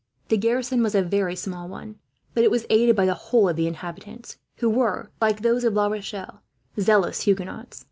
The garrison was a very small one, but it was aided by the whole of the inhabitants; who were, like those of La Rochelle, zealous Huguenots.